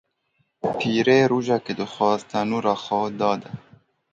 Pîrê rojekê dixwest tenûra xwe dade.